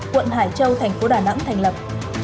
quận hải châu thành phố đà nẵng thành lập